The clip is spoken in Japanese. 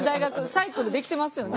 サイクルできてますよね。